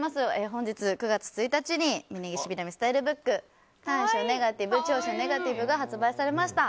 本日９月１日に峯岸みなみスタイルブック「短所ネガティブ長所ネガティブ」が発売されました。